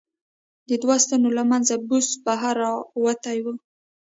د دوو ستنو له منځه بوس بهر را وتي و.